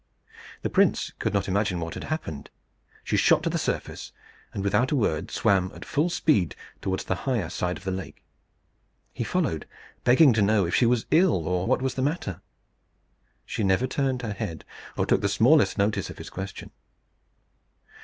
The prince could not imagine what had happened. She shot to the surface, and, without a word, swam at full speed towards the higher side of the lake. He followed, begging to know if she was ill, or what was the matter. She never turned her head, or took the smallest notice of his question.